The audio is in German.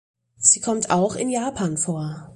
Sie kommt auch in Japan vor.